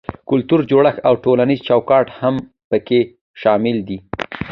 کلتوري جوړښت او ټولنیز چوکاټ هم پکې شامل دي.